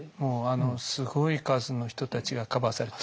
すごい数の人たちがカバーされて。